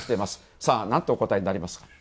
さあ、なんとお答えになりますか？